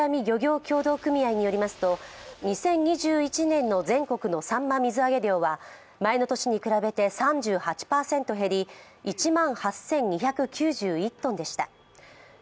漁業協同組合によりますと、２０２１年の全国のさんま水揚げ量は前の年に比べて３８％減り、１万８２９１トンでした。